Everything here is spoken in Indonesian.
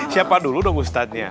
siapa dulu dong ustadznya